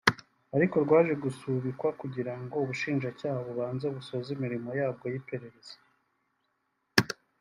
ariko rwaje gusubikwa kugira ngo Ubushinjacyaha bubanze busoze imirimo yabwo y’iperereza